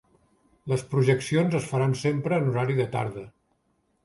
Les projeccions es faran sempre en horari de tarda.